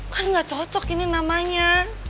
kan gak cocok ini namanya